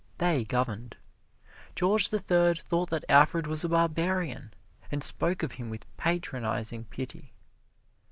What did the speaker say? They governed. George the Third thought that Alfred was a barbarian, and spoke of him with patronizing pity.